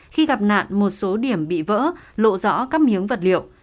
khi gặp nạn một số điểm bị vỡ lộ rõ các miếng vật liệu